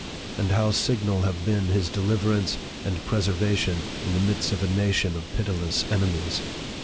and how signal have been his deliverance and preservation in the midst of a nation of pitiless enemies